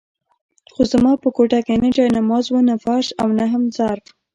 خو زما په کوټه کې نه جاینماز وو، نه فرش او نه هم ظرف.